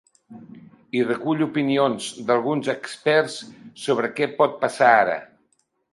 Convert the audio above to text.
I recull opinions d’alguns experts sobre què pot passar ara.